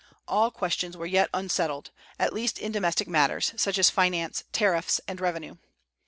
All questions were yet unsettled, at least in domestic matters, such as finance, tariffs, and revenue.